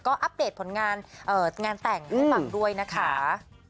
ก็อัปเดตผลงานแต่งให้ฟังด้วยนะคะ